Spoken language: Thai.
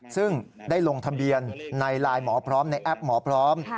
ซึ่งได้ลงทะเบียนในไลน์หมอพร้อมในแอปหมอพร้อม